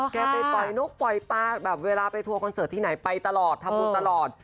ไปปล่อยนกปล่อยปลาแบบเวลาไปทัวร์คอนเสิร์ตที่ไหนไปตลอดทำบุญตลอด